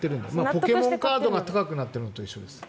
ポケモンカードが高くなってるのと一緒です。